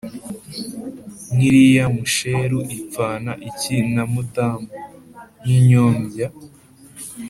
nk’iriya Musheru ipfana iki na Mutamu”? Nk’inyombya